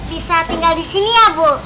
bisa tinggal di sini ya bu